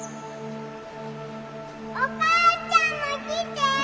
お母ちゃんも来て！